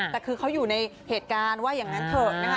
แต่คือเขาอยู่ในเหตุการณ์ว่าอย่างนั้นเถอะนะคะ